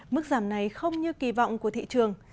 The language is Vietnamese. mức giảm này không như kỳ vọng của thị trường